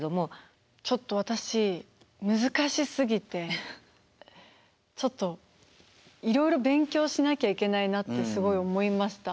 ちょっと私難しすぎてちょっといろいろ勉強しなきゃいけないなってすごい思いました。